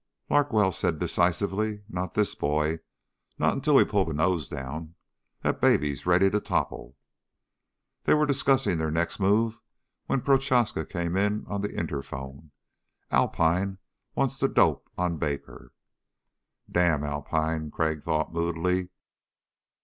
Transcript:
Larkwell said decisively: "Not this boy. Not until we pull the nose down. This baby's ready to topple." They were discussing their next move when Prochaska came in on the interphone: "Alpine wants the dope on Baker." Damn Alpine, Crag thought moodily.